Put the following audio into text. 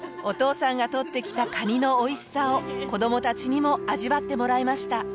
お父さんが取ってきたカニのおいしさを子どもたちにも味わってもらいました。